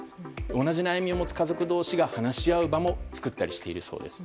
同じ悩みを持つ家族同士が話し合う場も作ったりしているそうです。